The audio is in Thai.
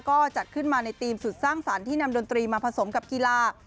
ก็จัดขึ้นมาในธีมสุดสร้างสรรค์ที่นำดนตรีมาผสมกับกีฬา